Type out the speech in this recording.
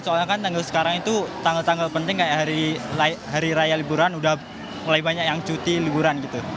soalnya kan tanggal sekarang itu tanggal tanggal penting kayak hari raya liburan udah mulai banyak yang cuti liburan gitu